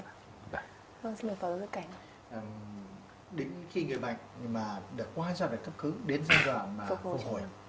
đến khi người bệnh mà đã qua giai đoạn cấp cứu đến giai đoạn phục hồi